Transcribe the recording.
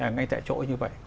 ngay tại chỗ như vậy